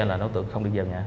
là đối tượng không đi vào nhà